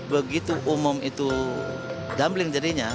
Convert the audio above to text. begitu umum itu gambling jadinya